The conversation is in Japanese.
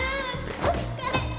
お疲れ！